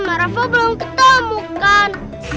merah pabung ketemukan